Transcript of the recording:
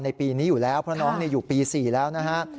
ปีนี้อยู่แล้วเพราะน้องอยู่ปี๔แล้วนะฮะ